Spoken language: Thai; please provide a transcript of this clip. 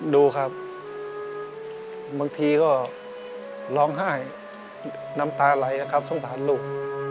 ดูครับบางทีก็ร้องไห้น้ำตาไหลนะครับสงสารลูก